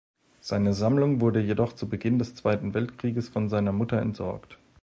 Seine Sammlung wurde jedoch zu Beginn des Zweiten Weltkrieges von seiner Mutter entsorgt.